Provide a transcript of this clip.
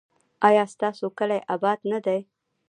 ایا ستاسو کلی اباد نه دی؟